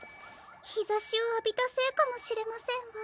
ひざしをあびたせいかもしれませんわ。